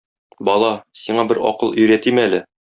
Бала, сиңа бер акыл өйрәтим әле.